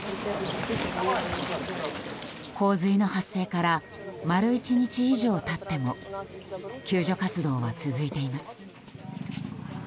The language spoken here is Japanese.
洪水の発生から丸１日以上経っても救助活動は続いています。